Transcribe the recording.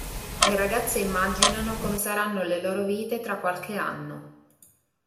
Le ragazze immaginano come saranno le loro vite tra qualche anno.